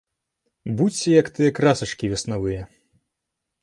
Будзьце як тыя красачкі веснавыя!